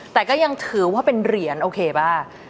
แต่ก็ยังถือว่าเป็นเหรียญโอเคบ้าง